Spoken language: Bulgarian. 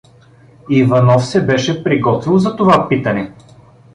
Иванов се беше приготвил за това питане.